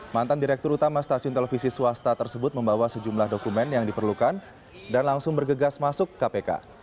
mantan direktur utama stasiun televisi swasta tersebut membawa sejumlah dokumen yang diperlukan dan langsung bergegas masuk kpk